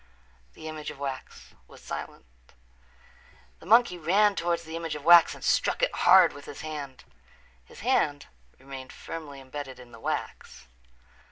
The image of wax was silent. The monkey ran toward the image of wax and struck it hard with his hand. His hand remained firmly embedded in the wax.